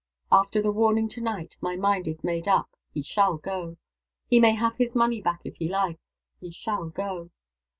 After the warning to night, my mind is made up. He shall go. He may have his money back, if he likes. He shall go.